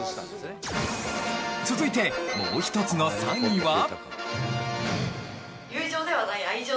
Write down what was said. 続いてもう一つの３位は。